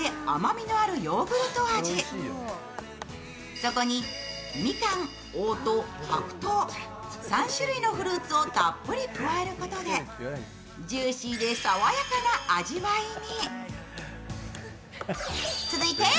そこにみかん、黄桃、白桃３種類のフルーツをたっぷり加えることでジューシーで爽やかな味わいに。